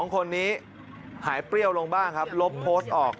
๒คนนี้หายเปรี้ยวลงบ้างครับลบโพสต์ออก